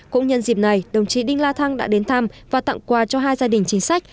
cũng nhân dịp này đồng chí đinh la thăng đã đến thăm và tặng quà cho hai gia đình chính sách